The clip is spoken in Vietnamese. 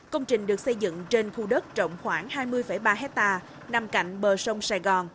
công trình được xây dựng trên khu đất rộng khoảng hai mươi ba hectare nằm cạnh bờ sông sài gòn